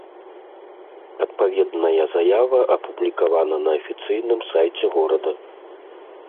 Адпаведная заява апублікавана на афіцыйным сайце горада.